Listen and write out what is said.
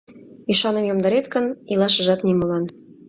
Ӱшаным йомдарет гын, илашыжат нимолан.